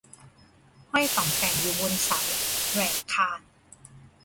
ห้อยต่องแต่งอยู่บนเสาแหรกคาน